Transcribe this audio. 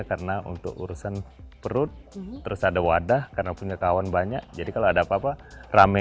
karena untuk urusan perut terus ada wadah karena punya kawan banyak jadi kalau ada apa apa rame